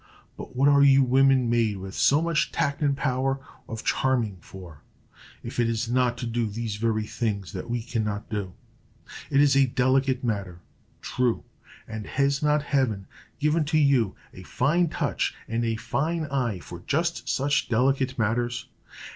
But what are you women made with so much tact and power of charming for, if it is not to do these very things that we cannot do? It is a delicate matter true; and has not Heaven given to you a fine touch and a fine eye for just such delicate matters?